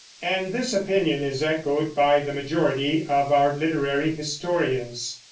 And this opinion is echoed by the majority of our literary historians.